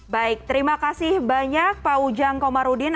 baik terima kasih banyak pak ujang komarudin